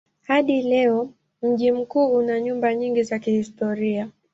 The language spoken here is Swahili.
Hadi leo mji una nyumba nyingi za kihistoria.